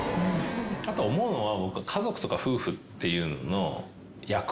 あと思うのは。